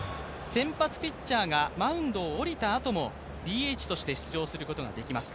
先発ピッチャーがマウンドを降りたあともＤＨとして出場することができます。